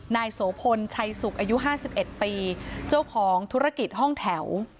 นายโสพลชัยสุขอายุ๕๑ปีเจ้าของธุรกิจห้องแถว